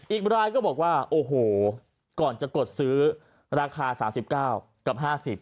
อีกรายก็บอกว่าโอ้โหก่อนจะกดซื้อราคา๓๙กับ๕๐บาท